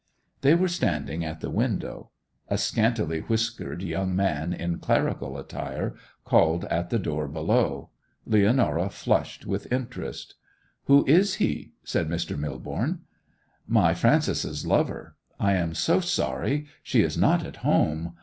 They were standing at the window. A scantly whiskered young man, in clerical attire, called at the door below. Leonora flushed with interest. 'Who is he?' said Mr. Millborne. 'My Frances's lover. I am so sorry—she is not at home!